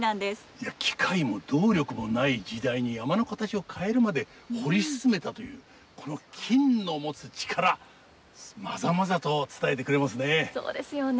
いや機械も動力もない時代に山の形を変えるまで掘り進めたというこの金の持つ力まざまざと伝えてくれますね。